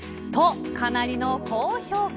と、かなりの高評価。